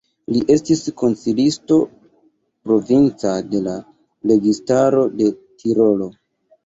Li estis konsilisto provinca de la registaro de Tirolo.